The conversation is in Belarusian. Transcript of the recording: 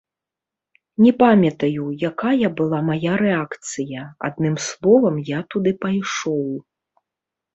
Не памятаю, якая была мая рэакцыя, адным словам, я туды пайшоў.